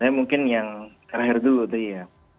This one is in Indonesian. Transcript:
nah mungkin yang terakhir dulu itu ya